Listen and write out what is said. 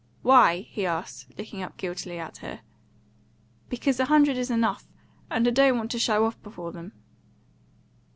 "Why?" he asked, looking up guiltily at her. "Because a hundred is enough; and I don't want to show off before them."